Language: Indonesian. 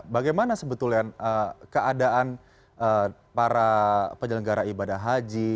bagaimana sebetulnya keadaan para penyelenggara ibadah haji